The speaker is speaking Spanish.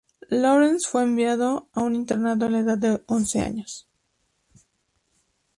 Lawrence fue enviado a un internado a la edad de once años.